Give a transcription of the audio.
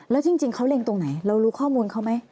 แล้วจริงเขาเล็งตรงไหนเรารู้ข้อมูลเขาไหม